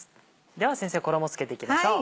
では先生衣付けていきましょう。